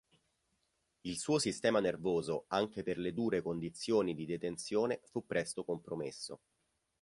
Il suo sistema nervoso, anche per le dure condizioni di detenzione, fu presto compromesso.